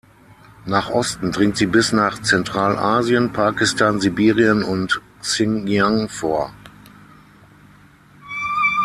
Nach Osten dringt sie bis nach Zentralasien, Pakistan, Sibirien und Xinjiang vor.